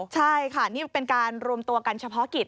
ใช่ค่ะนี่เป็นการรวมตัวกันเฉพาะกิจ